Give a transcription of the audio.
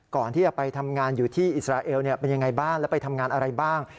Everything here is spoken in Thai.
ก่อนที่จะไปทำงานอยู่ที่อิสราเอลเป็นยังไงบ้างแล้วไปทำงานอะไรบ้าง